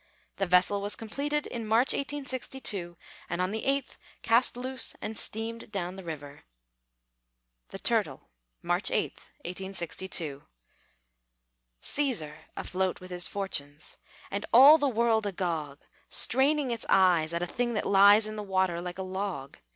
The vessel was completed in March, 1862, and on the 8th cast loose and steamed down the river. THE TURTLE [March 8, 1862] Cæsar, afloat with his fortunes! And all the world agog Straining its eyes At a thing that lies In the water, like a log!